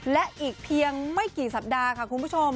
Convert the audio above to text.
และอีกเพียงไม่กี่สัปดาห์ค่ะคุณผู้ชม